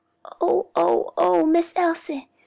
"Oh, oh, oh, Miss Elsie!